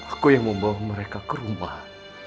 aku yang membawa mereka ke rumah